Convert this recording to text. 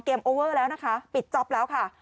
โอเวอร์แล้วนะคะปิดจ๊อปแล้วค่ะ